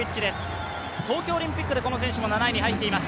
東京オリンピックでこの選手も７位に入っています。